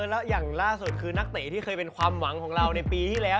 แล้วอย่างล่าสุดคือนักเตะที่เคยเป็นความหวังของเราในปีที่แล้ว